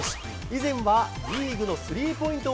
以前はリーグのスリーポイント